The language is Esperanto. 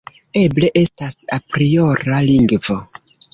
Eble estas apriora lingvo.